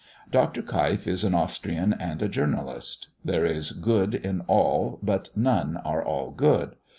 Dr. Keif is an Austrian and a journalist. There is good in all, but none are all good.